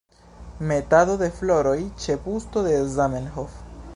Metado de floroj ĉe busto de Zamenhof.